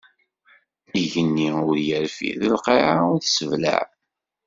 Igenni ur irfid, lqaɛa ur tesseblaɛ.